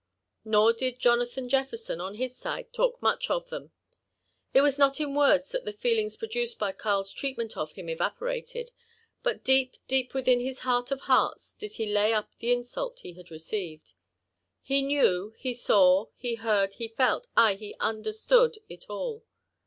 Nor did Jonathan Jefferson, on his side, ]talk much of them. It was not in words that the feelings produced by KarFs treatment of him evaporated ; but deep, deep within his heart of hearts did he lay up the insult he had received. He knew, he saw, he heard, he felt, — ay, and he understood it all.